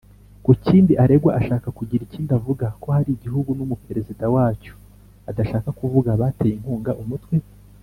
ku cyindi aregwa, ashaka kugira ikindi avuga, ko hari igihugu n’umuperezida wacyo adashaka kuvuga bateye inkunga umutwe